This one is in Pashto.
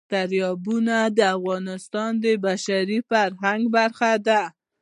دریابونه د افغانستان د بشري فرهنګ برخه ده.